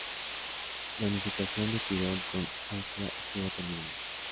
La unificación de Tirol con Austria estuvo terminada.